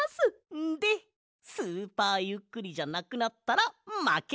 でスーパーゆっくりじゃなくなったらまけ！